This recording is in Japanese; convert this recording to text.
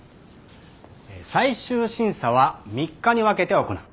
最終審査は３日に分けて行う。